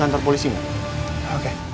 jawab pertanyaan gue